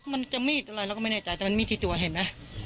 มันจะมีดอะไรเราก็ไม่แน่ใจแต่มันมีดที่ตัวเห็นไหม